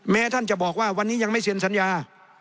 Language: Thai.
ท่านจะบอกว่าวันนี้ยังไม่เซ็นสัญญา